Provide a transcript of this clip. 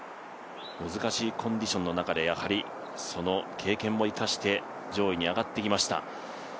難しいコンディションの中でその経験を生かして上位に上がってきました。